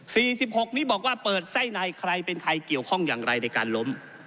สิบหกนี้บอกว่าเปิดไส้ในใครเป็นใครเกี่ยวข้องอย่างไรในการล้ม